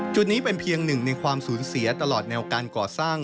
จุดนี้เป็นเพียงหนึ่งในความสูญเสียตลอดแนวการก่อสร้าง